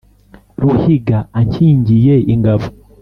ruhiga ankingiye ingabo.